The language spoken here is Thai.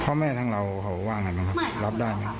พ่อแม่ทั้งเราเขาว่าอย่างไรรับได้ไหม